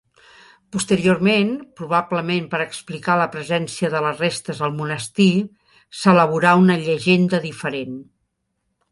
Posteriorment, probablement per explicar la presència de les restes al monestir, s'elaborà una llegenda diferent.